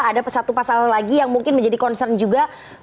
ada satu pasal lagi yang mungkin menjadi concern juga